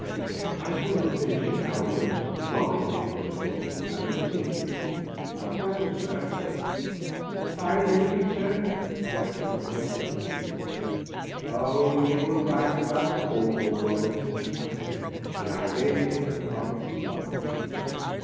As we were finishing our work, Eobert came to the door and looked in. "Well, sir — ^find anything, sir?" he asked with a ghastly grin. "You were right about the port hole, Eobert," I said, and I gave him the promised sovereign.